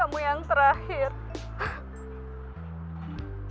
itu merupakan permintaanmu